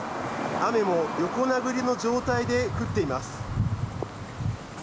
雨も横殴りの状態で降っています。